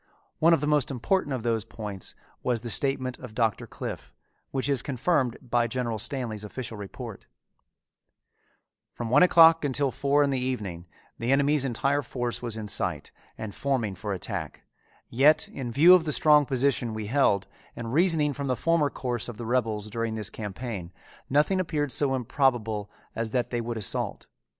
One of the most important of those points was the statement of Doctor Cliffe, which is confirmed by General Stanley's official report: From one o'clock until four in the evening the enemy's entire force was in sight and forming for attack, yet in view of the strong position we held, and reasoning from the former course of the rebels during this campaign, nothing appeared so improbable as that they would assault.